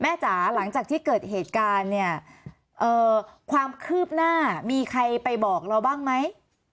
จ๋าหลังจากที่เกิดเหตุการณ์เนี่ยความคืบหน้ามีใครไปบอกเราบ้างไหม